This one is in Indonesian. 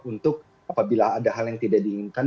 untuk apabila ada hal yang tidak diinginkan